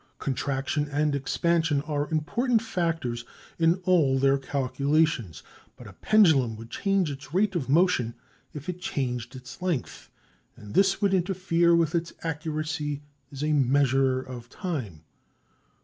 Contraction and expansion are important factors in all their calculations. But a pendulum would change its rate of motion if it changed its length and this would interfere with its accuracy as a measurer of time.